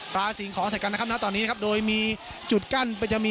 ปลาสิ่งของใส่กันนะครับนะตอนนี้นะครับโดยมีจุดกั้นมันจะมี